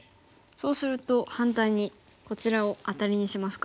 そうすると反対にこちらをアタリにしますか。